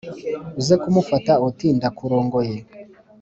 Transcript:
uze kumufata, uti: “ndakurongoye.